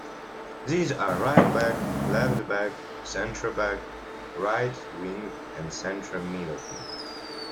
These are Right Back, Left Back, Centre Back, Right Wing and Centre Midfield.